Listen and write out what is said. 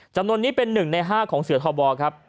จำนวนนี้เป็น๑ใน๕ของเสือทบครับ